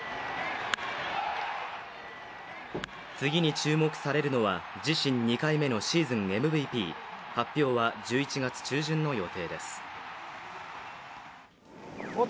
次に注目されるのは、自身２回目のシーズンＭＶＰ、発表は１１月中旬の予定です。